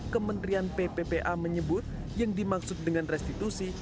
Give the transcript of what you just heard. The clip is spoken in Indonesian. kementerian pppa menyebut yang dimaksud dengan restitusi